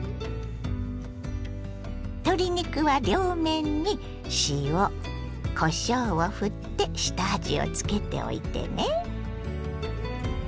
鶏肉は両面に塩こしょうをふって下味をつけておいてね。